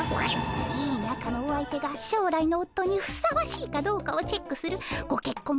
いいなかのお相手が将来のおっとにふさわしいかどうかをチェックするごけっこん